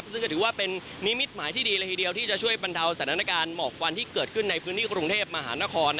ซึ่งก็ถือว่าเป็นนิมิตหมายที่ดีเลยทีเดียวที่จะช่วยบรรเทาสถานการณ์หมอกควันที่เกิดขึ้นในพื้นที่กรุงเทพมหานคร